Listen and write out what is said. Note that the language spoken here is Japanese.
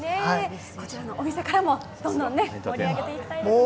こちらのお店からも、どんどん盛り上げていきたいですね。